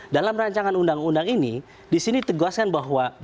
dalam rancangan undang undang ini di sini teguhkan bahwa bentuknya